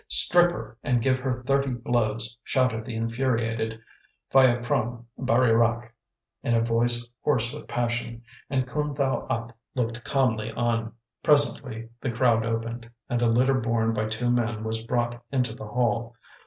"Strip her, and give her thirty blows," shouted the infuriated P'hayaprome Baree Rak, in a voice hoarse with passion; and Khoon Thow App looked calmly on. Presently the crowd opened, and a litter borne by two men was brought into the hall.